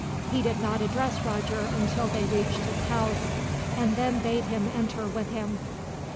He did not address Roger until they reached his house, and then bade him enter with him.